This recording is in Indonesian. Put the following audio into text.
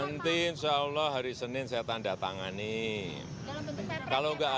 nanti insyaallah hari senin saya tanda tangan nih